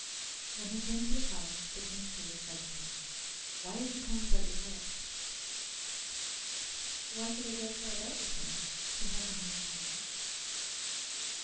When he came to the palace the King's steward said to him, "Why have you come without your wife?" "Why should I drag her about with me? She has a home of her own."